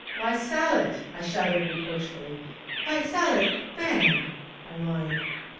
'Why, Sallitt!' I shouted reproachfully: 'why, Sallitt, man...!' I whined.